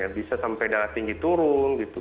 bisa sampai darah tinggi turun gitu